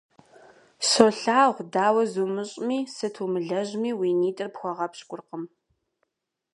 Солъагъу, дауэ зумыщӀми, сыт умылэжьми уи нитӀыр пхуэгъэпщкӀуркъым.